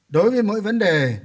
đối với mỗi vấn đề